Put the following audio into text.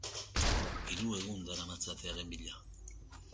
Hiru egun daramatzate haren bila.